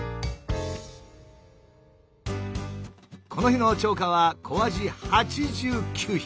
この日の釣果は小アジ８９匹